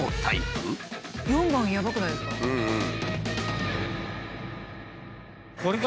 ４番やばくないですか？